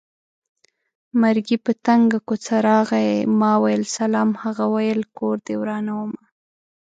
مرګی په تنګه کوڅه راغی ما وېل سلام هغه وېل کور دې ورانومه